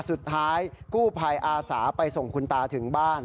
สุดท้ายกู้ภัยอาสาไปส่งคุณตาถึงบ้าน